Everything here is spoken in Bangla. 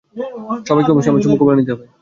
সবাইকে অবশ্যই আমার চুমু কঁপালে নিতে হবে।